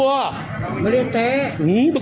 ภาพนี้เป็นหน้า